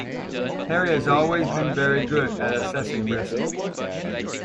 Harry has always been very good at assessing risk